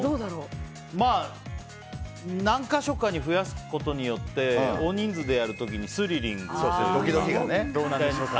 何箇所に増やすことによって大人数でやる時にスリリングっていうか。